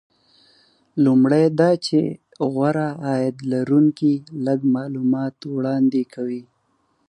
لومړی دا چې غوره عاید لرونکي لږ معلومات وړاندې کوي